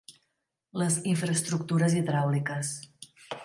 Les infraestructures hidràuliques.